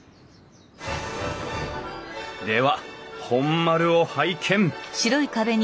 では本丸を拝見！